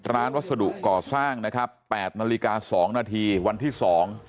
วัสดุก่อสร้างนะครับแปดนาฬิกาสองนาทีวันที่สอง